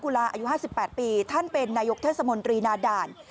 คุณชายวัฒน์สังกุลาอายุ๕๘ปีท่านเป็นนายกเทศมนตรีนาด่าน